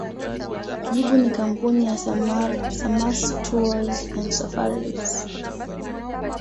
Jibu ni Kampuni ya Samâs Tours and Safaris